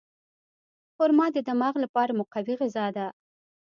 خرما د دماغ لپاره مقوي غذا ده.